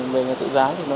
về ngày tháng một